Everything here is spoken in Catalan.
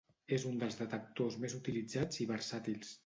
És un dels detectors més utilitzats i versàtils.